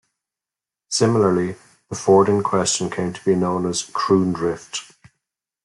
Similarly, the ford in question came to be known as "Kroondrift".